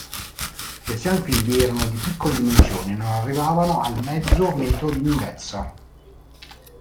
Questi anfibi erano di piccole dimensioni e non arrivavano al mezzo metro di lunghezza.